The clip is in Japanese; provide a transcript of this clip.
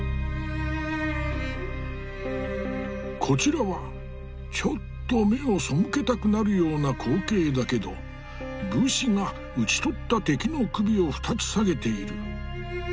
こちらはちょっと目をそむけたくなるような光景だけど武士が討ち取った敵の首を２つ下げている。